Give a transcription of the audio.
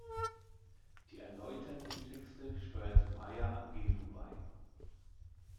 Die erläuternden Texte steuerte Maya Angelou bei.